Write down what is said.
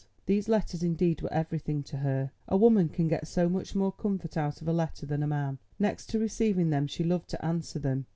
These letters indeed were everything to her—a woman can get so much more comfort out of a letter than a man. Next to receiving them she loved to answer them.